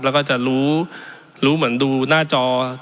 แล้วก็จะรู้รู้เหมือนดูหน้าจอ